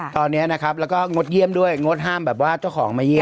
ตอนนี้นะครับแล้วก็งดเยี่ยมด้วยงดห้ามแบบว่าเจ้าของมาเยี่ยม